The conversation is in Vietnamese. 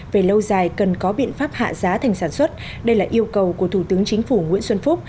về lâu dài cần có biện pháp hạ giá thành sản xuất đây là yêu cầu của thủ tướng chính phủ nguyễn xuân phúc